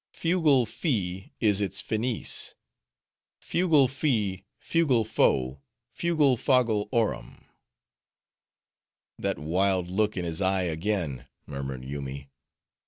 Fugle fi is its finis:—fugle fi, fugle fo, fugle fogle orum!" "That wild look in his eye again," murmured Yoomy.